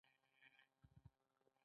اخیسته د ساه غړپ غړپ ترخې اوبه وې